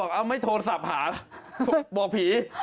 คิดถึงแห่งบี